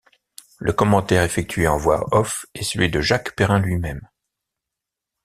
Le commentaire effectué en voix-off est celui de Jacques Perrin lui-même.